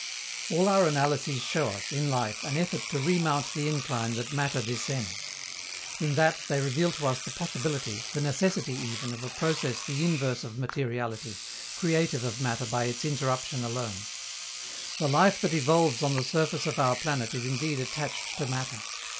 All our analyses show us, in life, an effort to remount the incline that matter descends. In that, they reveal to us the possibility, the necessity even of a process the inverse of materiality, creative of matter by its interruption alone. The life that evolves on the surface of our planet is indeed attached to matter.